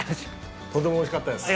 とてもおいしかったです。